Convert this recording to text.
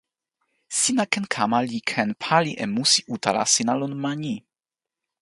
sina ken kama li ken pali e musi utala sina lon ma ni.